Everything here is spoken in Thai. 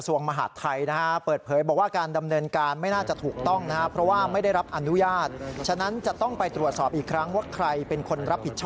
ว่าเป็นการขออนุญาตท้องถิ่น